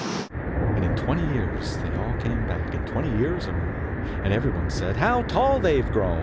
And in twenty years they all came back, In twenty years or more, And every one said, `How tall they've grown!